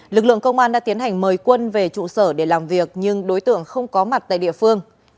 lực lượng công an đã tiến hành mời quân về trụ sở để làm việc nhưng đối tượng không có mặt tại địa phương